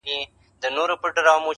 چي په دام كي اسير نه سي كوم موږك دئ.!